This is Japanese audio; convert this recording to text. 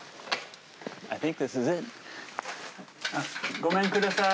ごめんください。